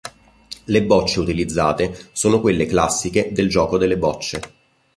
Le bocce utilizzate sono quelle classiche del gioco delle bocce.